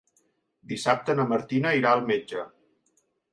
Dissabte na Martina irà al metge.